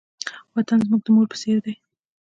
وطن زموږ د مور په څېر دی.